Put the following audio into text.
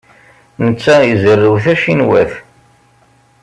Netta izerrew tacinwat.